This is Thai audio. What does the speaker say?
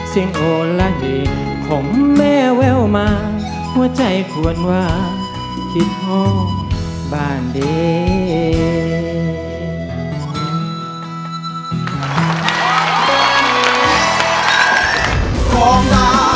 เสียงโอลาเยของแม่แววมาหัวใจฝวนหวาคิดห้องบ้านเด็ด